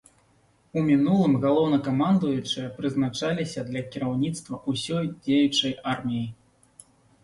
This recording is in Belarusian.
У мінулым галоўнакамандуючыя прызначаліся для кіраўніцтва ўсёй дзеючай арміяй.